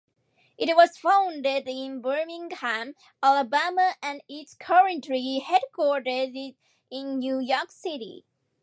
It was founded in Birmingham, Alabama and is currently headquartered in New York City.